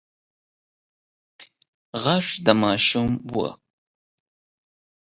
غږ د ماشوم و.